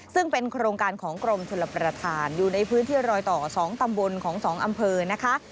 ซึ่งเป็นโครงการของกรมชลประธานอยู่ในพื้นที่รอยต่อ๒ตำบลของ๒อำเภอนะคะ